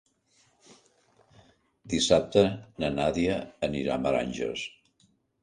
Dissabte na Nàdia anirà a Meranges.